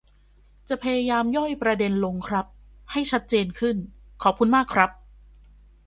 จะพยายามย่อยประเด็นลงครับ ให้ชัดเจนขึ้น ขอบคุณมากครับ